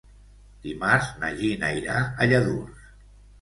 Dimarts na Gina irà a Lladurs.